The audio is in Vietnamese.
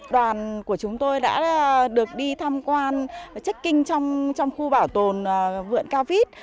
đoàn của chúng tôi đã được đi tham quan checking trong khu bảo tồn vượn cao vít